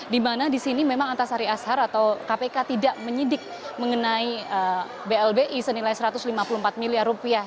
di mana di sini memang antasari ashar atau kpk tidak menyidik mengenai blbi senilai satu ratus lima puluh empat miliar rupiah